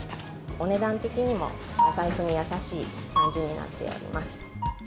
お値段的にも、お財布に優しい感じになっております。